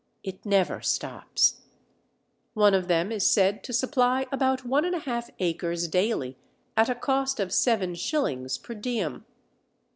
It never stops. One of them is said to supply about 1 1/2 acres daily at a cost of seven shillings per diem.